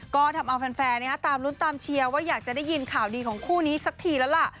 ก็ทำเอาแฟนตามลุ้นตามเชียร์ว่าอยากจะได้ยินข่าวดีของคู่นี้สักทีแล้วล่ะ